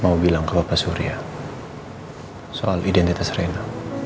mau bilang ke bapak surya soal identitas rena